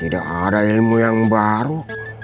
tidak ada ilmu yang baru